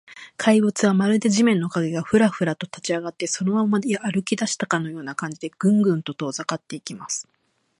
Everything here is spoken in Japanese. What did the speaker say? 怪物は、まるで地面の影が、フラフラと立ちあがって、そのまま歩きだしたような感じで、グングンと遠ざかっていきます。